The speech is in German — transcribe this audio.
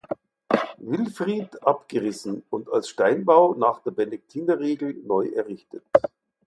Wilfrid abgerissen und als Steinbau nach der Benediktinerregel neuerrichtet wurde.